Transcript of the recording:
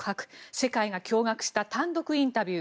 世界が驚がくした単独インタビュー。